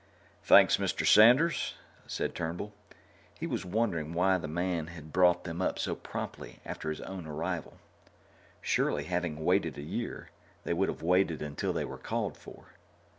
"Thanks, Mr. Sanders," said Turnbull. He was wondering why the man had brought them up so promptly after his own arrival. Surely, having waited a year, they would have waited until they were called for.